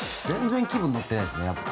全然気分乗っていないですね。